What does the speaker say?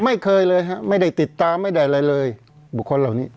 ไม่เคยเลยฮะไม่ได้ติดตามไม่ได้อะไรเลยบุคคลเหล่านี้